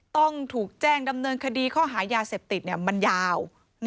ต้องถูกแจ้งดำเนินคดีข้อหายาเสพติดมันยาว